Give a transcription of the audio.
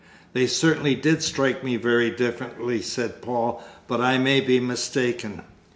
"They certainly did strike me very differently," said Paul. "But I may be mistaken."